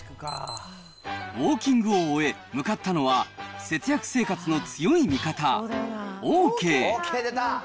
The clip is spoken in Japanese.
ウォーキングを終え、向かったのは、節約生活の強い味方、オーケー。